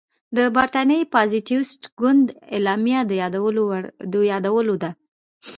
د برټانیې پازیټویسټ ګوند اعلامیه د یادولو ده.